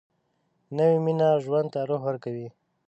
نوې مینه ژوند ته روح ورکوي